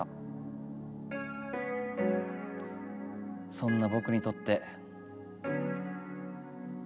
そんなぼくにとって。